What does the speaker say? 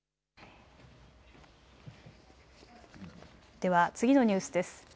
では次のニュースです。